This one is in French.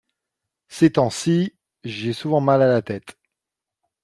ces temps-ci j'ai souvent mal à la tête.